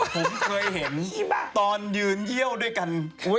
ผมเคยเห็นตอนยืนเยี่ยวด้วยกัน